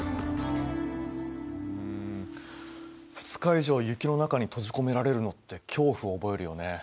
２日以上雪の中に閉じ込められるのって恐怖を覚えるよね。